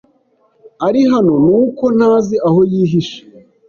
Ari hano nuko ntazi aho yihishe!